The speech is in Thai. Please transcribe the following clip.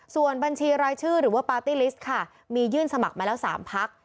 ส่วนบัญชีรายชื่อหรือว่าปาร์ตี้ลิสต์ค่ะมียื่นสมัครมาแล้ว๓พัก